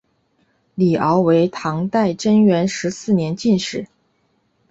李翱为唐代贞元十四年进士。